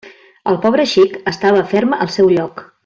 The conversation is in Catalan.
El pobre xic estava ferm al seu lloc.